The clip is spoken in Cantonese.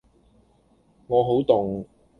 我好凍